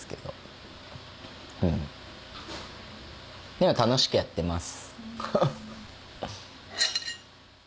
でも楽しくやってます。